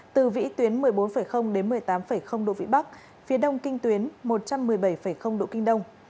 từ vĩ tuyến một mươi bốn đến một mươi tám độ vĩ bắc phía đông kinh tuyến một trăm một mươi bảy độ kinh đông